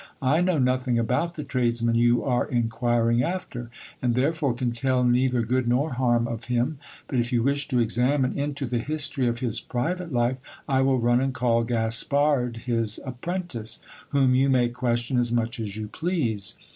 I know nothing about the tradesman you are inquiring after ; and therefore can tell neither good nor harm of him : but if you wish to examine into the history of his private life, I will run and call Gaspard, his apprentice, whom you may question as much as you please.